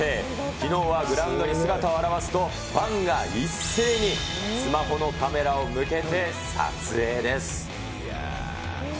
きのうはグラウンドに姿を現すと、ファンが一斉にスマホのカメラを向けて撮影です。